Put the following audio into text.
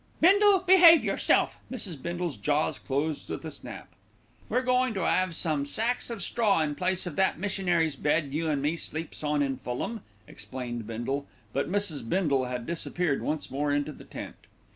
"Bindle, behave yourself!" Mrs. Bindle's jaws closed with a snap. "We're going to 'ave some sacks of straw in place of that missionary's bed you an' me sleeps on in Fulham," explained Bindle; but Mrs. Bindle had disappeared once more into the tent.